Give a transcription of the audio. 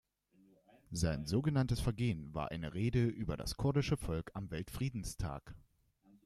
Sein sogenanntes Vergehen war eine Rede über das kurdische Volk am Weltfriedenstag.